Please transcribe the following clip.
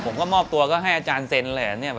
ผมก็มอบตัวให้อาจารย์เซ็นต์